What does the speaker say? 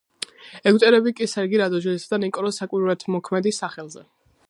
ეგვტერები კი სერგი რადონეჟელისა და ნიკოლოზ საკვირველთმოქმედის სახელზე.